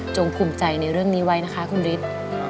ภูมิใจในเรื่องนี้ไว้นะคะคุณฤทธิ์